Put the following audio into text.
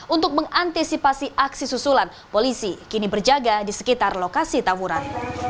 untuk mengantisipasi aksi susulan polisi kini berjaga di sekitar lokasi tawuran